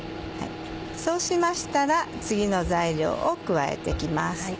そうしましたら次の材料を加えていきます。